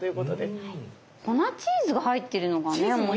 粉チーズが入ってるのがね面白い。